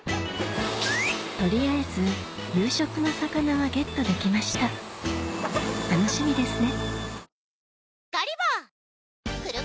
取りあえず夕食の魚はゲットできました楽しみですね